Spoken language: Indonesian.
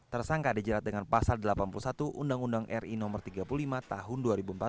tersangka dijerat dengan pasal delapan puluh satu undang undang ri no tiga puluh lima tahun dua ribu empat belas